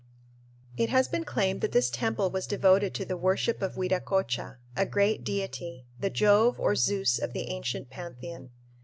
It has been claimed that this temple was devoted to the worship of Viracocha, a great deity, the Jove or Zeus of the ancient pantheon.